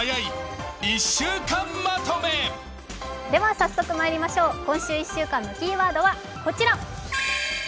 早速まいりましょう、今週１週間のキーワードはこちら。